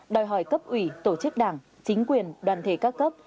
đòi hỏi cấp ủy tổ chức đảng chính quyền đoàn thể các cấp